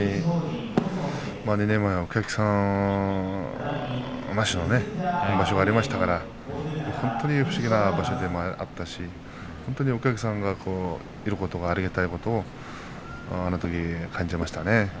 ２年もお客さんなしの場所がありましたから本当に不思議な場所でもあったしお客さんがいることがありがたいことをあのとき感じましたね。